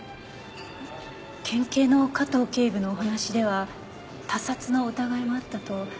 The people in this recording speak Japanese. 県警の加東警部のお話では他殺の疑いもあったと。